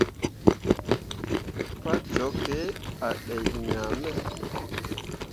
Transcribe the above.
Pa cwakke a dai ŋaa me.